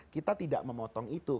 kita tidak memotong itu